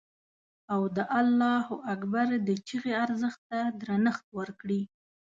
او د الله اکبر د چیغې ارزښت ته درنښت وکړي.